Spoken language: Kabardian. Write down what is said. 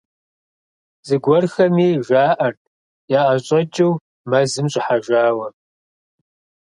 Зыгуэрхэми жаӏэрт яӏэщӏэкӏыу мэзым щӏыхьэжауэ.